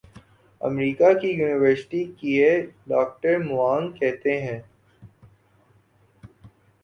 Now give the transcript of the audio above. امریکہ کی یونیورسٹی کیے doctor Mwangi کہتے ہیں